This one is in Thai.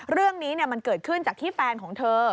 เรื่องนี้มันเกิดขึ้นจากที่แฟนของเธอ